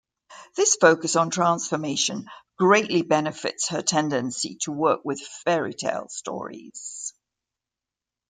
This focus on transformation greatly benefits her tendency to work with fairytale stories.